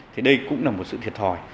thì đây cũng là một sự thiệt thòi